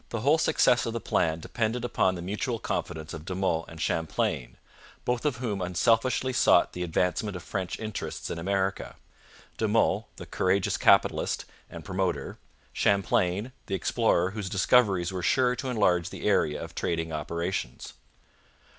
The whole success of the plan depended upon the mutual confidence of De Monts and Champlain, both of whom unselfishly sought the advancement of French interests in America De Monts, the courageous capitalist and promoter; Champlain, the explorer whose discoveries were sure to enlarge the area of trading operations.